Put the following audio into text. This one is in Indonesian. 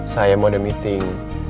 saya mau ada meeting